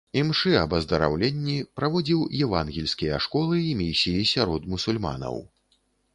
Імшы аб аздараўленні, праводзіў евангельскія школы і місіі сярод мусульманаў.